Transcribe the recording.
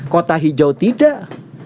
kota hijau tidak